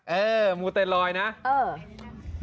โอ๊ยมูแตนลอยนะอืม